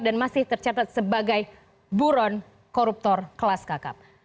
dan masih tercatat sebagai buron koruptor kelas kakak